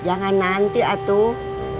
jangan nanti atuh